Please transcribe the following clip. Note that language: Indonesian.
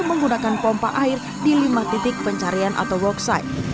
menggunakan pompa air di lima titik pencarian atau work side